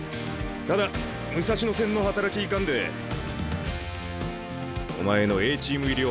ただ武蔵野戦の働きいかんでお前のＡチーム入りを判断する。